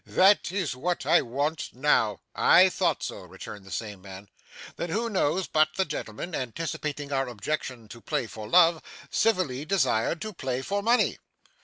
That is what I want now!' 'I thought so,' returned the same man. 'Then who knows but the gentleman, anticipating our objection to play for love, civilly desired to play for money?